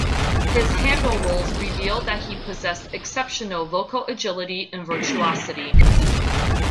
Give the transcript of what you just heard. His Handel roles reveal that he possessed exceptional vocal agility and virtuosity.